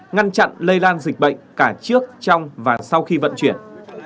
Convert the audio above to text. ngăn chặn lây lan dịch bệnh cả trước trong và sau khi vận chuyển